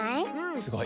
すごい。